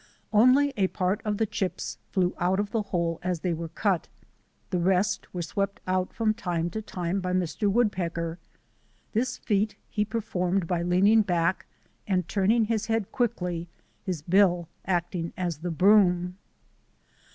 Only a part of the chips flew out of the hole as they were cut, the rest were swept out from time to time by Mr. Woodpecker. This feat he performed by leaning back and turn ing his head quickly, his bill acting as the broom.